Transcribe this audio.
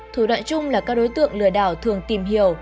thủ đoạn chung là các đối tượng lừa đảo thường tìm hiểu